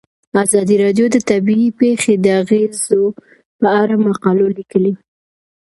ازادي راډیو د طبیعي پېښې د اغیزو په اړه مقالو لیکلي.